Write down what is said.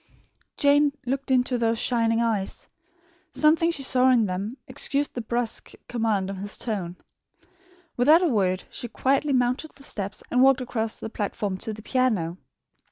Jane looked into those shining eyes. Something she saw in them excused the brusque command of his tone. Without a word, she quietly mounted the steps and walked across the platform to the piano.